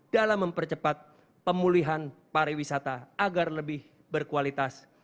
dalam mempercepat pemulihan pariwisata agar lebih berkualitas